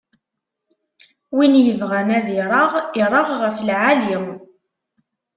Win ibɣan ad ireɣ, ireɣ ɣef lɛali.